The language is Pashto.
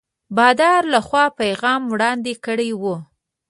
بادار له خوا پیغام وړاندي کړی وو.